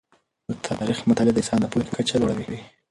د تاریخ مطالعه د انسان د پوهې کچه لوړوي.